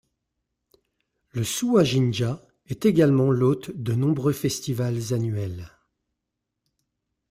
Le Suwa-jinja est également l'hôte de nombreux festivals annuels.